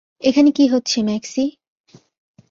এখানে কি হচ্ছে, ম্যাক্সি?